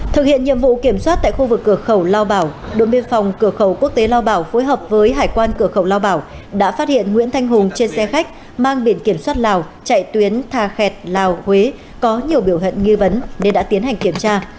thực hiện nhiệm vụ kiểm soát tại khu vực cửa khẩu lao bảo đội biên phòng cửa khẩu quốc tế lao bảo phối hợp với hải quan cửa khẩu lao bảo đã phát hiện nguyễn thanh hùng trên xe khách mang biển kiểm soát lào chạy tuyến thà khẹt lào huế có nhiều biểu hận nghi vấn nên đã tiến hành kiểm tra